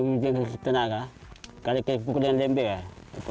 bisa bebas ya kita ada tenaga karena kayak buku dengan lembek ya itu